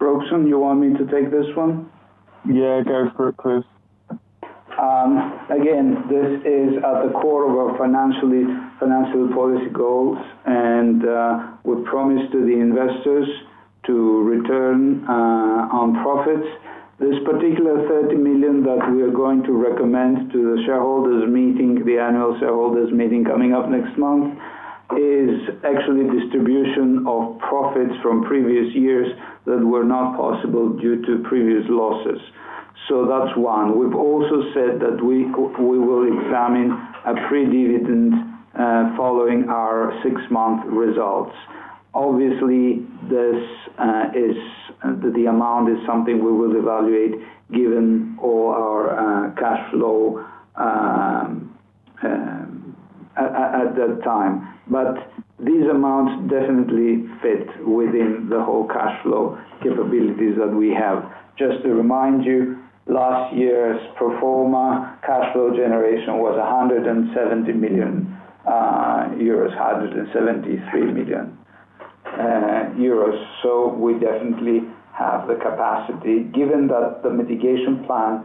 Robeson, you want me to take this one? Yeah. Go for it, Chris. Again, this is at the core of our financial policy goals, and we promised to the investors to return on profits. This particular 30 million that we are going to recommend to the shareholders meeting, the annual shareholders meeting coming up next month, is actually distribution of profits from previous years that were not possible due to previous losses. That's one. We've also said that we will examine a pre-dividend following our six-month results. Obviously, the amount is something we will evaluate given all our cash flow at that time. These amounts definitely fit within the whole cash flow capabilities that we have. Just to remind you, last year's pro forma cash flow generation was 173 million euros. We definitely have the capacity. Given that the mitigation plan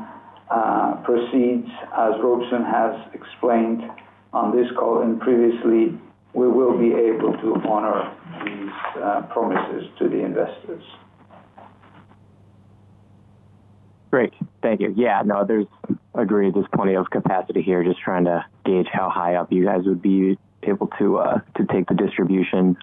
proceeds, as Robeson has explained on this call and previously, we will be able to honor these promises to the investors. Great. Thank you. Yeah. No, agreed. There's plenty of capacity here. Just trying to gauge how high up you guys would be able to take the distribution.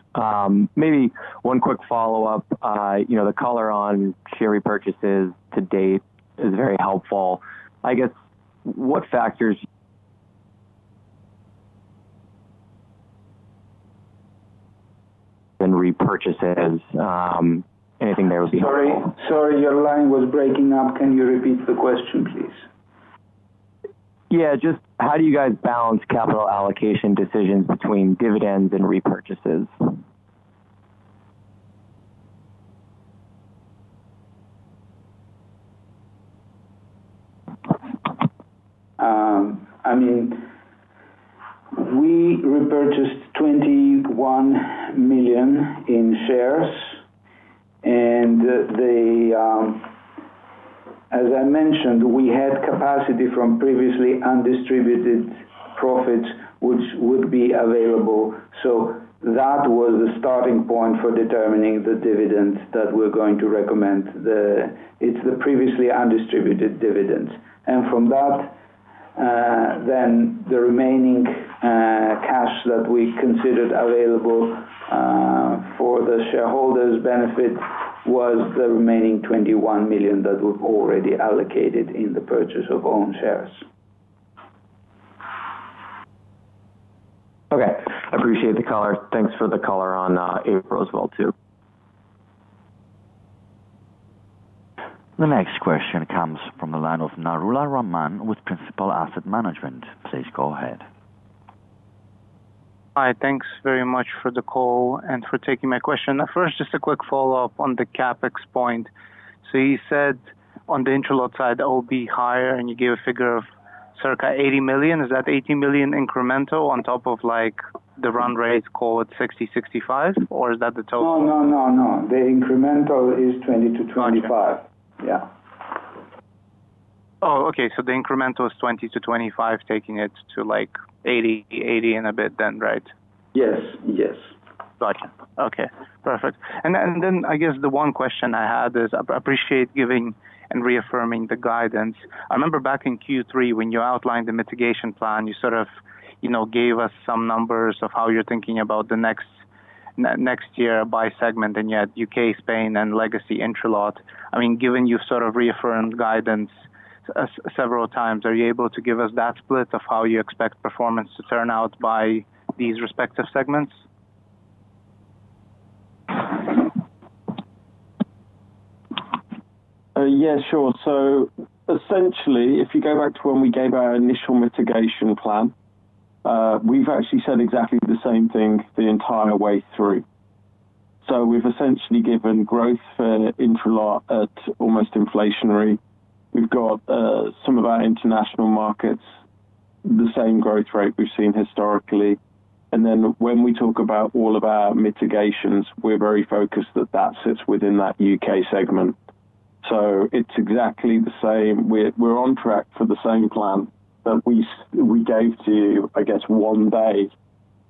Maybe one quick follow-up. The color on share repurchases to date is very helpful. I guess what factors in repurchases. Anything there would be helpful. Sorry, your line was breaking up. Can you repeat the question, please? Yeah. Just how do you guys balance capital allocation decisions between dividends and repurchases? We repurchased 21 million in shares, and as I mentioned, we had capacity from previously undistributed profits, which would be available. That was the starting point for determining the dividends that we're going to recommend. It's the previously undistributed dividends. From that, the remaining cash that we considered available for the shareholders' benefit was the remaining 21 million that we've already allocated in the purchase of own shares. Okay. Appreciate the color. Thanks for the color on April as well, too. The next question comes from the line of Raman Narula with Principal Asset Management. Please go ahead. Hi. Thanks very much for the call and for taking my question. First, just a quick follow-up on the CapEx point. You said on the Intralot side, it will be higher, and you gave a figure of circa 80 million. Is that 80 million incremental on top of the run rate, call it 60 million, 65 million, or is that the total? No. The incremental is 20 million-25 million. Yeah. Oh, okay. The incremental is 20 million-25 million, taking it to 80 million and a bit then, right? Yes. Got you. Okay. Perfect. I guess the one question I had is, I appreciate giving and reaffirming the guidance. I remember back in Q3 when you outlined the mitigation plan, you sort of gave us some numbers of how you're thinking about the next year by segment, and yet U.K., Spain, and legacy Intralot. Given you've sort of reaffirmed guidance several times, are you able to give us that split of how you expect performance to turn out by these respective segments? Yeah, sure. Essentially, if you go back to when we gave our initial mitigation plan, we've actually said exactly the same thing the entire way through. We've essentially given growth for Intralot at almost inflationary. We've got some of our international markets, the same growth rate we've seen historically. Then when we talk about all of our mitigations, we're very focused that sits within that U.K. segment. It's exactly the same. We're on track for the same plan that we gave to you, I guess, one day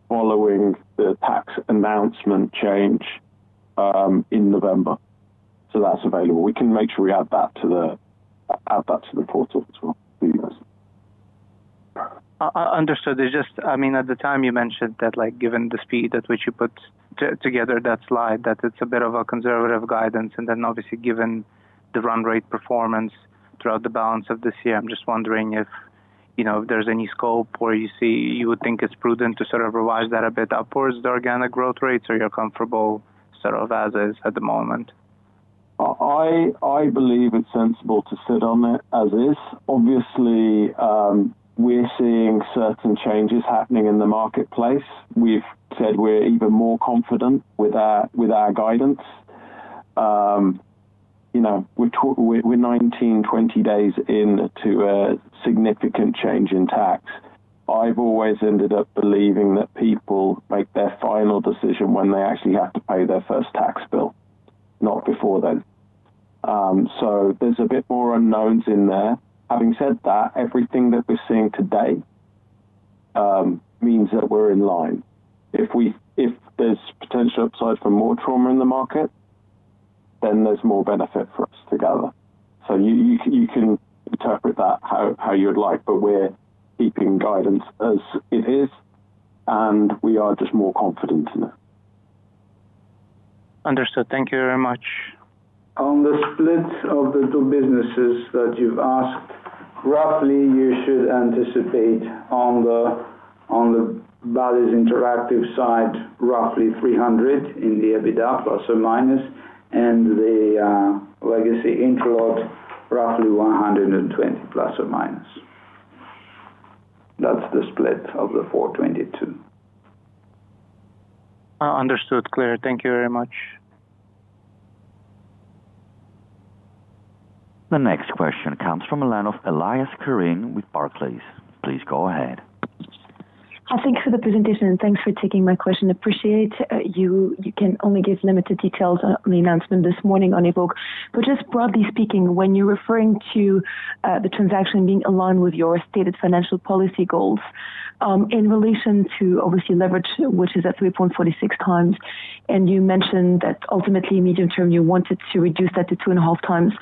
following the tax announcement change in November. That's available. We can make sure we add that to the portal as well. Understood. At the time you mentioned that given the speed at which you put together that slide, that it's a bit of a conservative guidance, and then obviously given the run rate performance throughout the balance of this year, I'm just wondering if there's any scope where you see you would think it's prudent to sort of revise that a bit upwards, the organic growth rates? Or you're comfortable sort of as is at the moment? I believe it's sensible to sit on it as is. Obviously, we're seeing certain changes happening in the marketplace. We've said we're even more confident with our guidance. We're 19-20 days into a significant change in tax. I've always ended up believing that people make their final decision when they actually have to pay their first tax bill, not before then. There's a bit more unknowns in there. Having said that, everything that we're seeing today means that we're in line. If there's potential upside for more trauma in the market, then there's more benefit for us together. You can interpret that how you'd like, but we're keeping guidance as it is, and we are just more confident in it. Understood. Thank you very much. On the split of the two businesses that you've asked, roughly you should anticipate on the Bally's Interactive side roughly 300 million in the EBITDA ±, and the Legacy Intralot, roughly 120 million±. That's the split of the 422 million. Understood. Clear. Thank you very much. The next question comes from the line of Karine Elias with Barclays. Please go ahead. Thanks for the presentation and thanks for taking my question. I appreciate that you can only give limited details on the announcement this morning on Evoke. Just broadly speaking, when you're referring to the transaction being aligned with your stated financial policy goals, in relation to obviously leverage, which is at 3.46x, and you mentioned that ultimately medium term, you wanted to reduce that to 2.5x.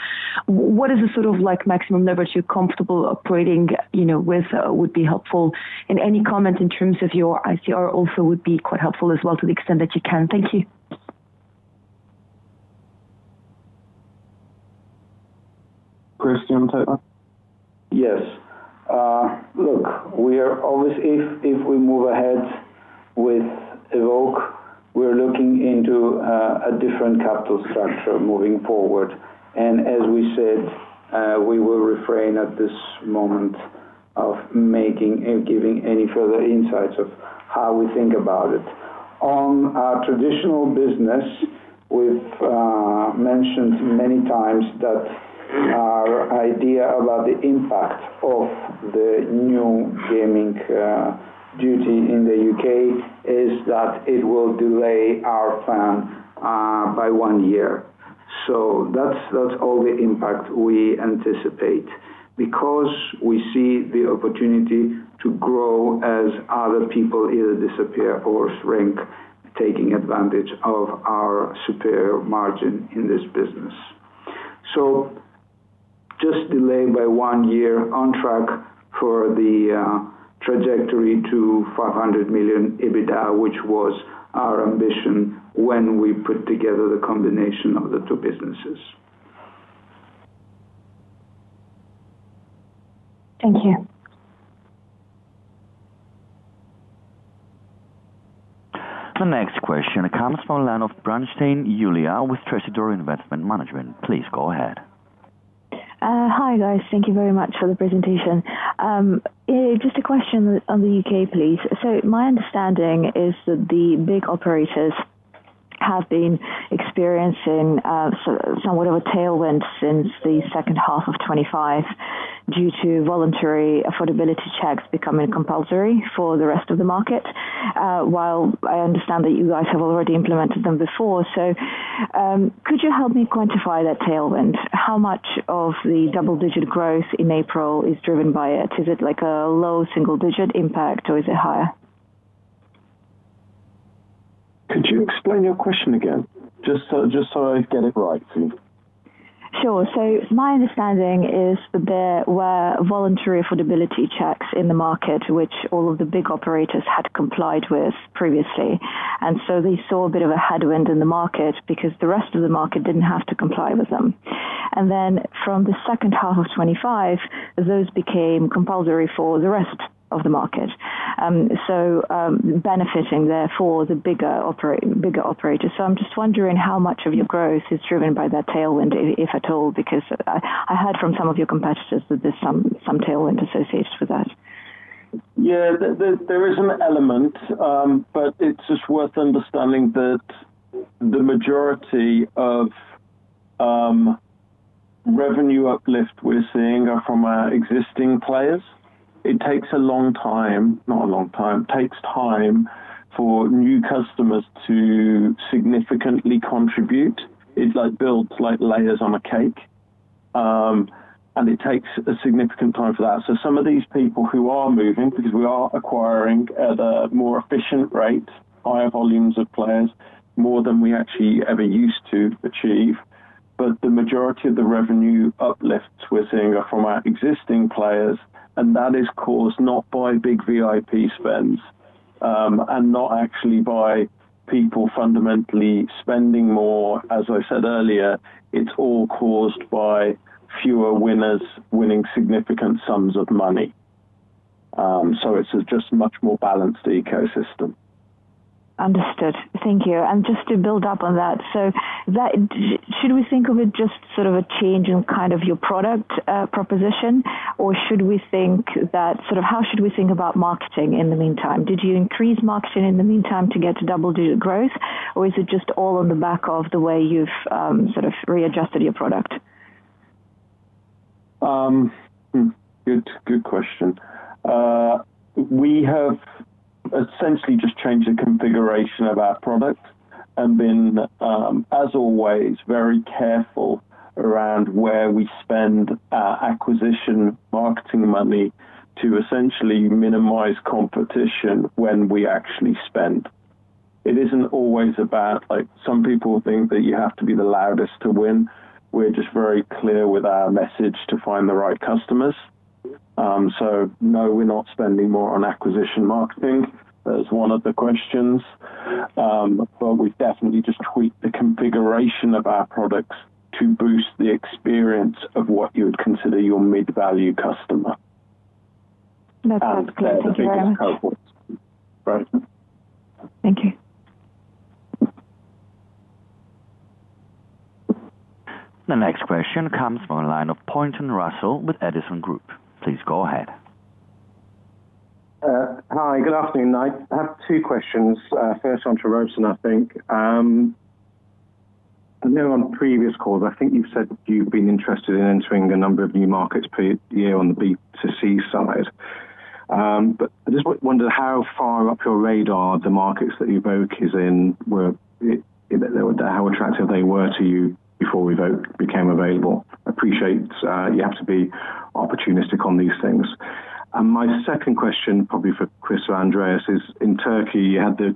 What is the sort of maximum leverage you're comfortable operating with? That would be helpful. Any comment in terms of your ICR also would be quite helpful as well to the extent that you can. Thank you. Chris, do you want to take that? Yes. Look, if we move ahead with Evoke, we're looking into a different capital structure moving forward. As we said, we will refrain at this moment of making and giving any further insights of how we think about it. On our traditional business, we've mentioned many times that our idea about the impact of the new gaming duty in the U.K. is that it will delay our plan by one year. That's all the impact we anticipate. Because we see the opportunity to grow as other people either disappear or shrink, taking advantage of our superior margin in this business. Just delayed by one year on track for the trajectory to 500 million EBITDA, which was our ambition when we put together the combination of the two businesses. Thank you. The next question comes from the line of Yuliya Branshtein with Tresidor Investment Management. Please go ahead. Hi, guys. Thank you very much for the presentation. Just a question on the U.K., please. My understanding is that the big operators have been experiencing somewhat of a tailwind since the second half of 2025 due to voluntary affordability checks becoming compulsory for the rest of the market, while I understand that you guys have already implemented them before. Could you help me quantify that tailwind? How much of the double-digit growth in April is driven by it? Is it like a low single-digit impact or is it higher? Could you explain your question again? Just so I get it right. Sure. My understanding is that there were voluntary affordability checks in the market, which all of the big operators had complied with previously. They saw a bit of a headwind in the market because the rest of the market didn't have to comply with them. From the second half of 2025, those became compulsory for the rest of the market. Benefiting therefore the bigger operators. I'm just wondering how much of your growth is driven by that tailwind, if at all, because I heard from some of your competitors that there's some tailwind associated with that. Yeah. There is an element, but it's just worth understanding that the majority of revenue uplift we're seeing are from our existing players. It takes time for new customers to significantly contribute. It builds like layers on a cake, and it takes a significant time for that. Some of these people who are moving, because we are acquiring at a more efficient rate, higher volumes of players, more than we actually ever used to achieve. The majority of the revenue uplifts we're seeing are from our existing players, and that is caused not by big VIP spends and not actually by people fundamentally spending more, as I said earlier, it's all caused by fewer winners winning significant sums of money. It's just a much more balanced ecosystem. Understood. Thank you. Just to build up on that, so should we think of it just sort of a change in kind of your product proposition, or should we think that, how should we think about marketing in the meantime? Did you increase marketing in the meantime to get to double-digit growth, or is it just all on the back of the way you've sort of readjusted your product? Good question. We have essentially just changed the configuration of our product and been, as always, very careful around where we spend our acquisition marketing money to essentially minimize competition when we actually spend. It isn't always about, like some people think that you have to be the loudest to win. We're just very clear with our message to find the right customers. No, we're not spending more on acquisition marketing. That was one of the questions. We've definitely just tweaked the configuration of our products to boost the experience of what you would consider your mid-value customer. That's clear. Thank you very much. Thank you. The next question comes from the line of Russell Pointon with Edison Group. Please go ahead. Hi, good afternoon. I have two questions. First one to Robeson, I think. I know on previous calls, I think you've said you've been interested in entering a number of new markets per year on the B2C side. I just wonder how far up your radar the markets that Evoke is in, how attractive they were to you before Evoke became available. I appreciate you have to be opportunistic on these things. My second question, probably for Chris or Andreas, is in Turkey, you had the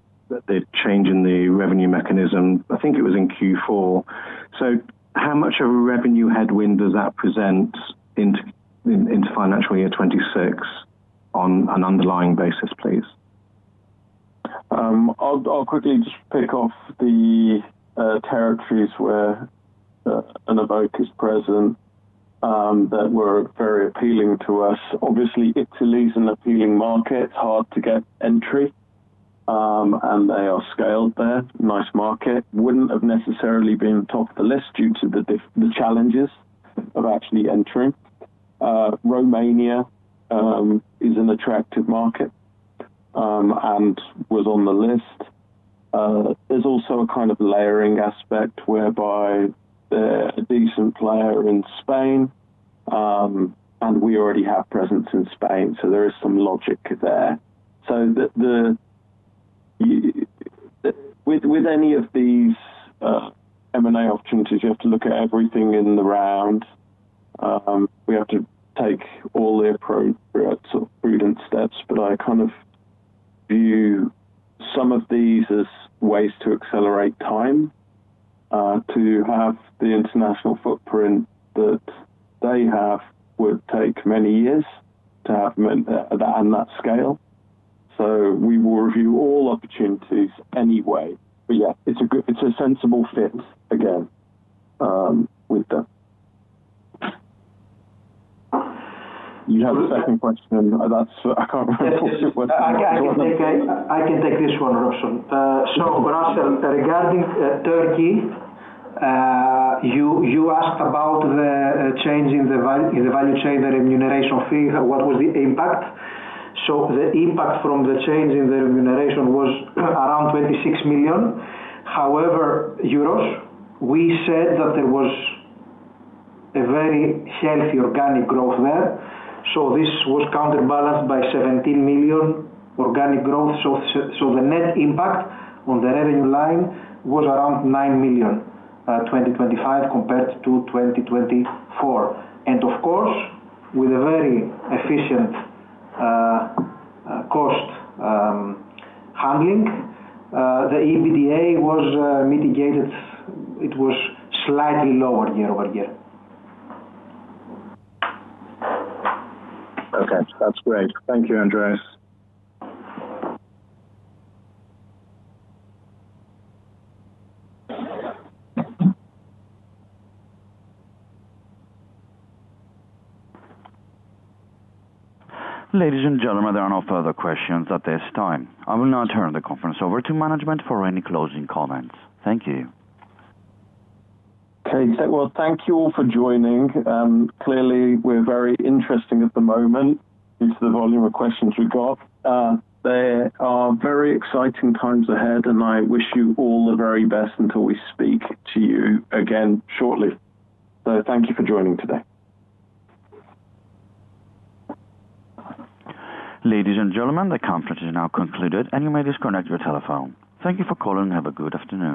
change in the revenue mechanism, I think it was in Q4. How much of a revenue headwind does that present into financial year 2026 on an underlying basis, please? I'll quickly just pick off the territories where Evoke is present that were very appealing to us. Obviously, Italy is an appealing market, hard to get entry, and they are scaled there. Nice market. Wouldn't have necessarily been top of the list due to the challenges of actually entering. Romania is an attractive market, and was on the list. There's also a kind of layering aspect whereby they're a decent player in Spain, and we already have presence in Spain, so there is some logic there. With any of these M&A opportunities, you have to look at everything in the round. We have to take all the appropriate sort of prudent steps. I kind of view some of these as ways to accelerate time. To have the international footprint that they have would take many years to have on that scale. We will review all opportunities anyway. Yeah, it's a sensible fit again with them. You have a second question. That's, I can't remember what it was. I can take this one, Robeson. Russell, regarding Turkey, you asked about the change in the value chain, the remuneration fee, what was the impact. The impact from the change in the remuneration was around 26 million. However, euros, we said that there was a very healthy organic growth there. This was counterbalanced by 17 million organic growth. The net impact on the revenue line was around 9 million, 2025 compared to 2024. Of course, with a very efficient cost handling, the EBITDA was mitigated. It was slightly lower year-over-year. Okay. That's great. Thank you, Andreas. Ladies and gentlemen, there are no further questions at this time. I will now turn the conference over to management for any closing comments. Thank you. Okay. Well, thank you all for joining. Clearly, we're very interested at the moment due to the volume of questions we got. There are very exciting times ahead, and I wish you all the very best until we speak to you again shortly. Thank you for joining today. Ladies and gentlemen, the conference is now concluded, and you may disconnect your telephone. Thank you for calling and have a good afternoon.